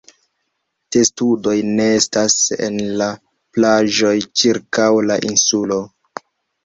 Testudoj nestas en la plaĝoj ĉirkaŭ la insulo.